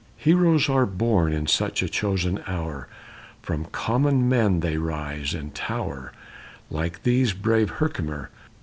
Heroes are born in such a chosen hour; From common men they rise, and tower, Like thee, brave Herkimer!